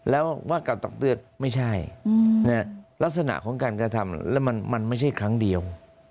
แล้วว่าการตักเตือนไม่ใช่ลักษณะของการกระทำแล้วมันไม่ใช่ครั้งเดียว